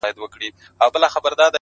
o اوس مي لا په هر رگ كي خـوره نـــه ده؛